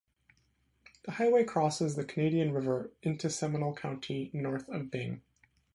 The highway crosses the Canadian River into Seminole County north of Byng.